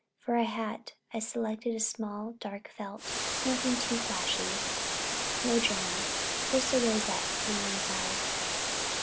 For a hat I selected a small dark felt, nothing flashy, no trimming, just a rosette at one side.